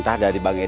kau durang nih